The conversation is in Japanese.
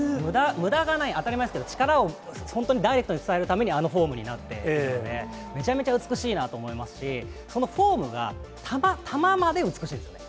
むだがない、当たり前ですけど、力を本当にダイレクトに伝えるために、あのフォームになっているので、めちゃめちゃ美しいなと思いますし、そのフォームが球まで美しいんですよね。